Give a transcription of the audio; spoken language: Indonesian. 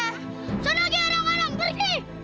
sana lagi anak haram pergi